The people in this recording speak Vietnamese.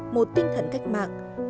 một tinh thần cách mạng